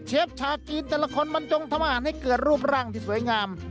ชาวจีนแต่ละคนบรรจงทำอาหารให้เกิดรูปร่างที่สวยงาม